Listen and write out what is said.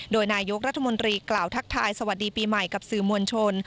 โดยนายกรัฐมนตรีกล่าวทักทายสวัสดีปีใหม่กับสื่อมวลชน